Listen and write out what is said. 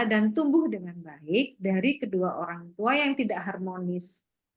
dan tumbuh dengan baik dari kedua orang tua yang tidak harmonis